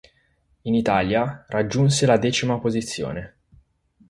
In Italia raggiunse la decima posizione.